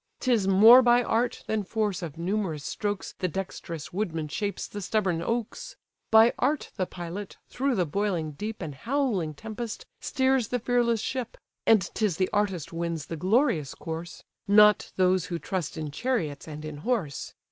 'Tis more by art than force of numerous strokes The dexterous woodman shapes the stubborn oaks; By art the pilot, through the boiling deep And howling tempest, steers the fearless ship; And 'tis the artist wins the glorious course; Not those who trust in chariots and in horse.